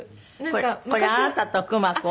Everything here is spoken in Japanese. これあなたとくま子？